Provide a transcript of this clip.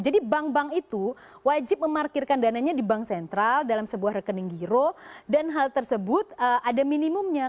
jadi bank bank itu wajib memarkirkan dananya di bank sentral dalam sebuah rekening giro dan hal tersebut ada minimumnya